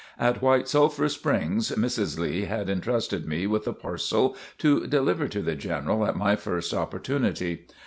At White Sulphur Springs, Mrs. Lee had entrusted me with a parcel to deliver to the General at my first opportunity.